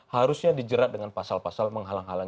harusnya dijerat dengan pasal pasal menghalang halangi